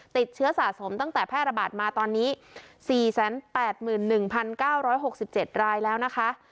ติดเชื้อสะสมตั้งแต่แพร่ระบาดมาตอนนี้๔๘๑๙๖๗รายแล้วนะคะ